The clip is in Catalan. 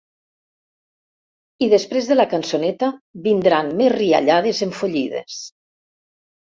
I després de la cançoneta vindran més riallades enfollides.